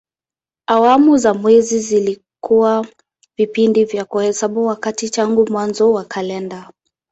Awamu za mwezi zilikuwa vipindi vya kuhesabu wakati tangu mwanzo wa kalenda.